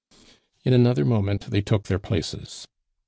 In another moment they took their places.